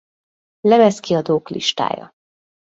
Lemezkiadók listája